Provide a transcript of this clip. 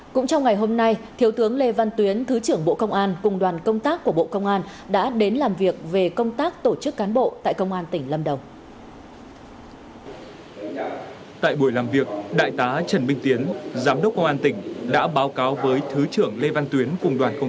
cũng trong ngày hôm nay thiếu tướng lê văn tuyến thứ trưởng bộ công an cùng đoàn công tác của bộ công an đã đến làm việc về công tác tổ chức cán bộ tại công an tỉnh lâm đồng